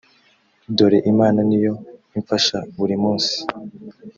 dore imana ni yo imfasha buri munsi